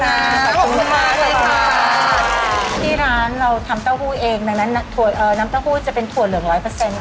ที่ร้านเราทำเต้าหู้เองดังนั้นน้ำเต้าหู้จะเป็นถั่วเหลือง๑๐๐ค่ะ